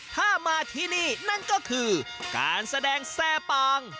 ถ้ามาที่นี่นั่นก็คือการแสดงแซ่ปาง